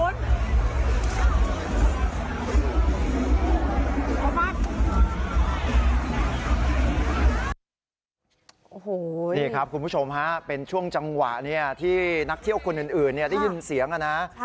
โอ้โหนี่ครับคุณผู้ชมฮะเป็นช่วงจังหวะที่นักเที่ยวคนอื่นได้ยินเสียงนะ